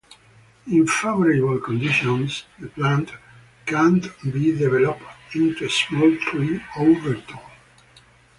In favorable conditions the plant can develop into a small tree over tall.